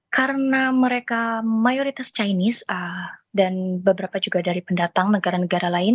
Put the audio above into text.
karena mereka mayoritas chinese dan beberapa juga dari pendatang negara negara lain